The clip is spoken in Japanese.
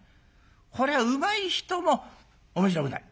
これはうまい人も面白くない。